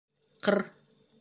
— Ҡр...